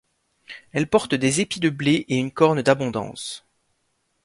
Elle porte des épis de blé et une corne d'abondance.